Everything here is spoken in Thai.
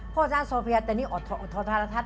เพราะฉะนั้นโซเฟียตอนนี้อดทฤทธิ์